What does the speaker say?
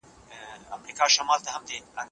ایا د معلوماتو د نشتوالي په صورت کي پریکړه سمه ده؟